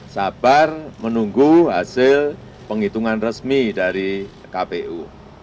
sabar menunggu hasil penghitungan resmi dari kpu